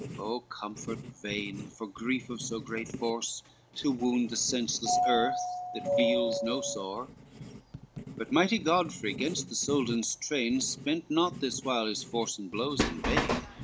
Oh comfort vain for grief of so great force, To wound the senseless earth that feels no sore! But mighty Godfrey 'gainst the Soldan's train Spent not, this while, his force and blows in vain.